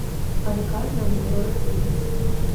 Адказ нам ужо рыхтуецца.